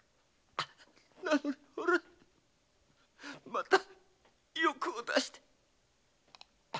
なのに俺はまた欲を出して。